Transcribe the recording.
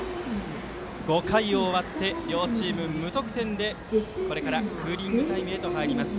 ５回を終わって両チーム、無得点でこれから、クーリングタイムへと入ります。